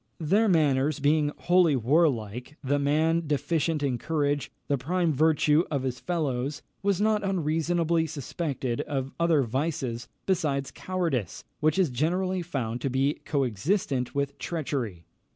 Their manners being wholly warlike, the man deficient in courage, the prime virtue of his fellows, was not unreasonably suspected of other vices besides cowardice, which is generally found to be co existent with treachery.